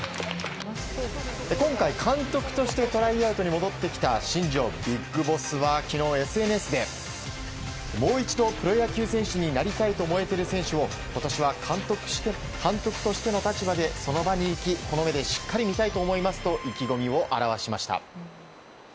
今回、監督してトライアウトに戻ってきた新庄ビッグボスは昨日、ＳＮＳでもう一度プロ野球選手になりたいと燃えている選手を今年は監督としての立場でその場に行きこの目でしっかり見たいと思いますと意気込みを表しました。